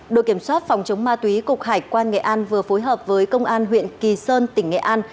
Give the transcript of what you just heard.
đội kiểm soát phòng chống ma túy cục hải quan nghệ an vừa phối hợp với công an huyện kỳ sơn tỉnh nghệ an